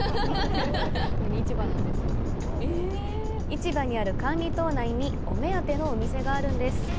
市場にある管理棟内にお目当てのお店があるんです。